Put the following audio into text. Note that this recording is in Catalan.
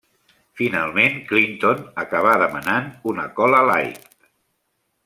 Finalment Clinton acabà demanant una cola light.